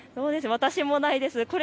私もないです。